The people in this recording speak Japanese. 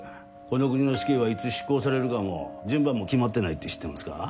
この国の死刑はいつ執行されるかも順番も決まってないって知ってますか？